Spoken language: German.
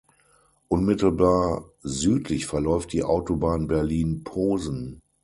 Unmittelbar südlich verläuft die Autobahn Berlin–Posen.